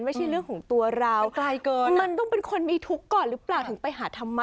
ไม่ใช่เรื่องของตัวเราไกลเกินมันต้องเป็นคนมีทุกข์ก่อนหรือเปล่าถึงไปหาธรรมะ